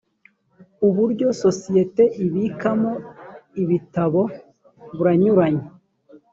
uburyo sosiyete ibikamo ibitabo buranyuranye.